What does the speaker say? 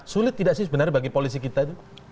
sulit tidak sih sebenarnya bagi polisi kita itu